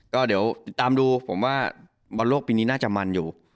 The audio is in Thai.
ก็ติดตามดูผมว่าบรรลวกปีนี้น่าจะมันอยู่